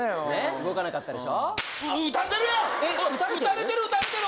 動かなかったでしょ。